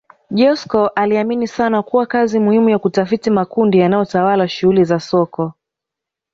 Joskow aliamini sana kuwa kazi muhimu ya kutafiti makundi yanayotawala shughuli za soko